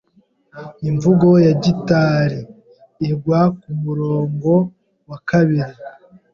Imvugo ya "gitari" igwa kumurongo wa kabiri.